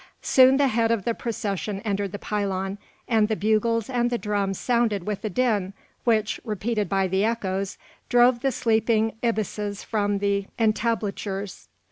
Soon the head of the procession entered the pylon and the bugles and the drums sounded with a din which, repeated by the echoes, drove the sleeping ibises from the entablatures.